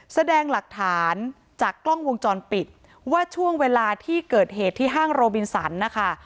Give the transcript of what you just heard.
แสดงหลักฐานจากกล้องวงจรปิดว่าช่วงเวลาที่เกิดเหตุที่ห้างโรบินสันนะคะ